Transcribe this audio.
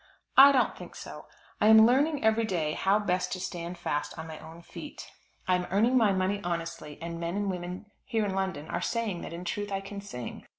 I don't think so. I am learning every day how best to stand fast on my own feet. I am earning my money honestly, and men and women here in London are saying that in truth I can sing.